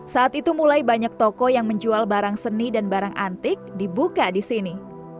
saat itu mulai banyak toko yang menjual barang seni dan barang antik dibuka di sini